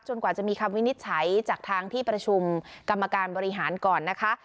กว่าจะมีคำวินิจฉัยจากทางที่ประชุมกรรมการบริหารก่อนนะคะ